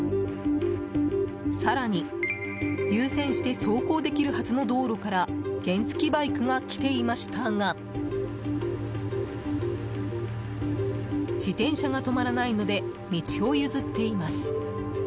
更に、優先して走行できるはずの道路から原付バイクが来ていましたが自転車が止まらないので道を譲っています。